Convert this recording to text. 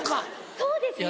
そうですよ。